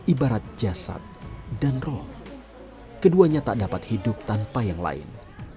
ibarat jasad dan roh keduanya tak dapat hidup tanpa yang lain